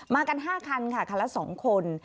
มากันห้าครรภ์ค่ะคันละสองคน